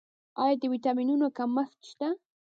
آیا د ویټامینونو کمښت شته؟